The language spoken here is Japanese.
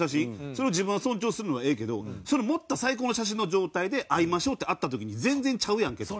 それを自分が尊重するのはええけどその盛った最高の写真の状態で会いましょうって会った時に全然ちゃうやんけと。